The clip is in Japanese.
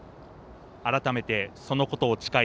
改めて、そのことを誓い